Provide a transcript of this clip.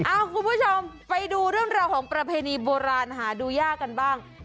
คุณผู้ชมไปดูเรื่องราวของประเพณีโบราณหาดูยากกันบ้าง